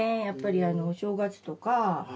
やっぱりあのお正月とか。